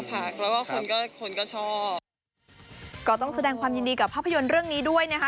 พักแล้วก็คนก็คนก็ชอบก็ต้องแสดงความยินดีกับภาพยนตร์เรื่องนี้ด้วยนะคะ